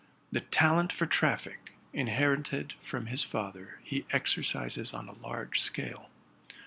The talent for traftic, inherited from his father, he exercises on a large scale.